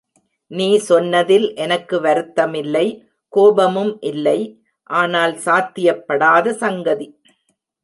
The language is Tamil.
நீ சொன்னதில் எனக்கு வருத்தமில்லை, கோபமுமில்லை ஆனால் சாத்தியப்படாத சங்கதி.